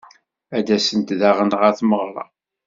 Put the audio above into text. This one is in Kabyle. Ad d-asent daɣen ɣer tmeɣra.